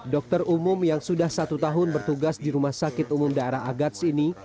dokter umum yang sudah satu tahun bertugas di rumah sakit umum daerah agats ini